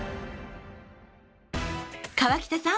川北さん